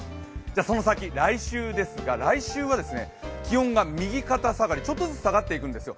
その先来週ですが、来週は気温が右肩下がり、ちょっとずつ下がっていくんですよ。